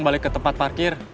balik ke tempat parkir